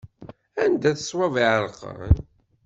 Anda-t ṣṣwab iɛerqan.